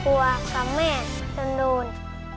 พ่อครัวกับแม่จนโน้น